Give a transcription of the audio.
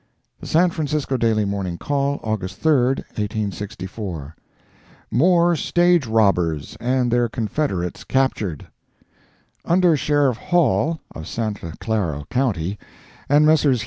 The San Francisco Daily Morning Call, August 3, 1864 MORE STAGE ROBBERS AND THEIR CONFEDERATES CAPTURED Under Sheriff Hall, of Santa Clara county, and Messrs.